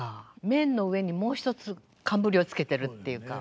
面の上にもう一つ冠をつけてるっていうか。